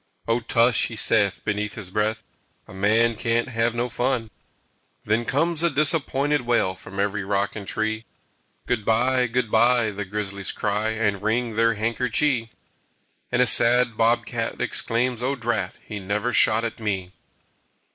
"O tush!" he saith beneath his breath, "A man can't have no fun!" Then comes a disappointed wail From every rock and tree. "Good by, good by!" the grizzlies cry And wring their handkerchee. And a sad bob cat exclaims, "O drat! He never shot at me!"